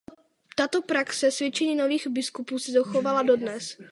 Tato praxe svěcení nových biskupů se dochovala dodnes.